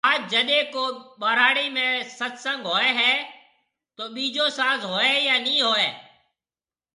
آج جڏي ڪو ٻھراڙي ۾ ست سنگ ھوئي ھيَََ تو ٻيجو ساز ھوئي يا ني ھوئي